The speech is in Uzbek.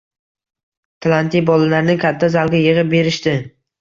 Talantli bolalarni katta zalga yig‘ib berishdi.